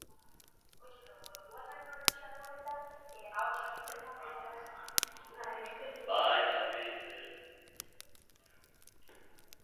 Haiekin egiten den olioa argi egiteko erabiltzen da.